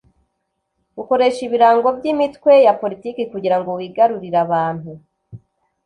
ukoresha ibirango by imitwe ya politiki kugirango wigarurire abantu